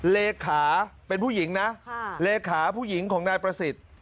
เลขาเป็นผู้หญิงนะเลขาผู้หญิงของนายประสิทธิ์